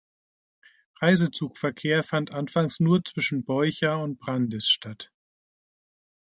Reisezugverkehr fand anfangs nur zwischen Beucha und Brandis statt.